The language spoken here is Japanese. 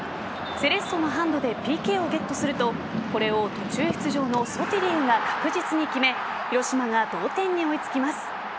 セレッソのハンドでＰＫをゲットするとこれは途中出場のソティリウが確実に決め広島が同点に追いつきます。